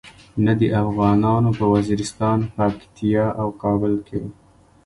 نه د افغانانو په وزیرستان، پکتیا او کابل کې.